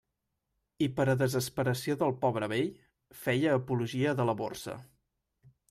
I per a desesperació del pobre vell, feia apologia de la Borsa.